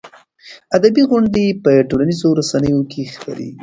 ادبي غونډې په ټولنیزو رسنیو کې خپرېږي.